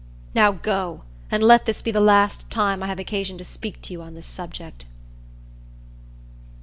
Now go, and let this be the last time I have occasion to speak to you on this subject."